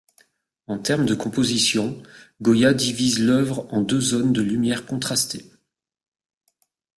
En termes de composition, Goya divise l'œuvre en deux zones de lumières contrastées.